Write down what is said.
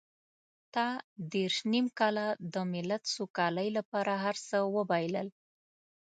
تا دېرش نيم کاله د ملت سوکالۍ لپاره هر څه وبایلل.